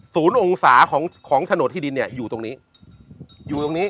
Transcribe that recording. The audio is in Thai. ศูนย์องศาของถนนที่ดินอยู่ตรงนี้